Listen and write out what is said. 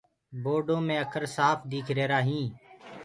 بورڊو مي اکر سآڦ ديک رهيرآ هينٚ۔